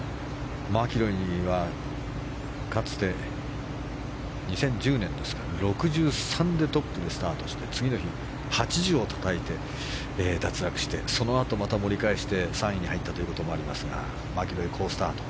マキロイはかつて、２０１０年６３でトップでスタートして次の日、８０をたたいて脱落してそのあとまた盛り返して３位に入ったということもありますがマキロイ、好スタート。